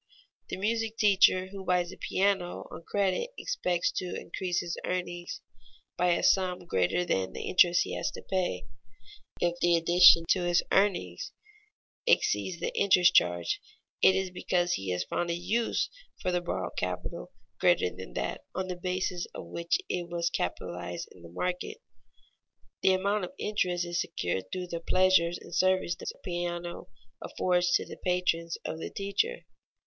The music teacher who buys a piano on credit expects to increase his earnings by a sum greater than the interest he has to pay. If the addition to his earnings exceeds the interest charge, it is because he has found a use for the borrowed capital greater than that on the basis of which it was capitalized in the market. The amount of the interest is secured through the pleasures and services the piano affords to the patrons of the teacher.